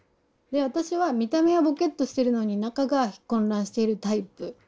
で私は見た目はぼけっとしてるのに中が混乱しているタイプ。